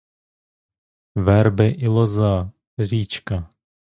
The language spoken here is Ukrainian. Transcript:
Верби і лоза, річка.